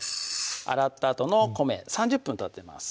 洗ったあとの米３０分たってます